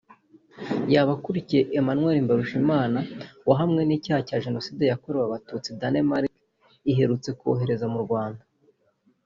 yaba akurikiye Emmanuel Mbarushimana wahamwe n’icyaha cya Jenoside yakorewe abatutsi Danmark iherutse kohereza mu Rwanda